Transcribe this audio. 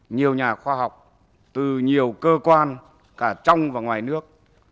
nhiều nhà khoa học từ nhiều cơ quan cả trong và ngoài nước